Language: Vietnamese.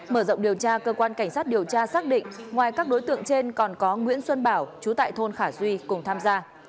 mở rộng điều tra cơ quan cảnh sát điều tra xác định ngoài các đối tượng trên còn có nguyễn xuân bảo chú tại thôn khả duy cùng tham gia